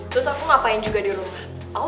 terus aku ngapain juga di rumah